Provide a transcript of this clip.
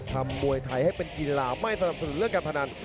มวยไทยให้เป็นกีฬาไม่สนับสนุนเรื่องการพนัน